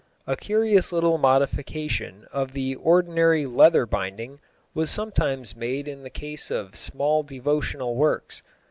A curious little modification of the ordinary leather binding was sometimes made in the case of small devotional works.